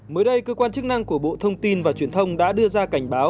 mới đây cơ quan chức năng của bộ thông tin và truyền thông đã đưa ra cảnh báo